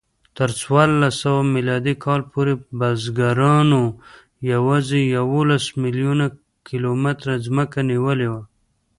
تر څوارلسسوه میلادي کال پورې بزګرانو یواځې یوولس میلیونه کیلومتره ځمکه نیولې وه.